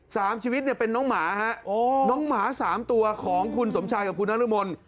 สามชีวิตเนี่ยเป็นน้องหมาฮะโอ้น้องหมาสามตัวของคุณสมชายกับคุณนรมน